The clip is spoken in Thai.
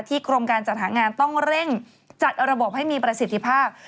กรมการจัดหางานต้องเร่งจัดระบบให้มีประสิทธิภาพ